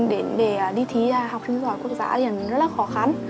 để đi thí học sinh giỏi quốc giả thì rất là khó khăn